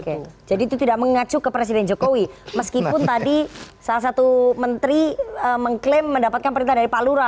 oke jadi itu tidak mengacu ke presiden jokowi meskipun tadi salah satu menteri mengklaim mendapatkan perintah dari pak lura